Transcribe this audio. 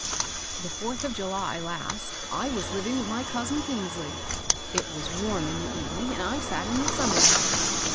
" The fourth of July last I was living with my cousin Eingsley. It was warm in the evening, and I sat in the smnmer^house.